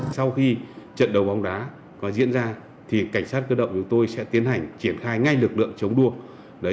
sau khi trận đấu bóng đá có diễn ra thì cảnh sát cơ động chúng tôi sẽ tiến hành triển khai ngay lực lượng chống đua